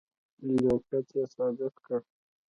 لیاقت یې ثابت کړ.